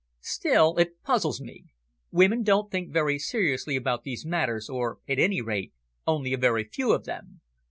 Still, it puzzles me. Women don't think very seriously about these matters or, at any rate, only a very few of them.